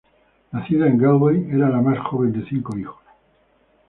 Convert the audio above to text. Nacida en Galway era la más joven de cinco hijos.